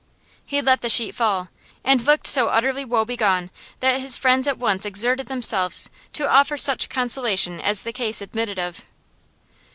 He let the sheet fall, and looked so utterly woebegone that his friends at once exerted themselves to offer such consolation as the case admitted of.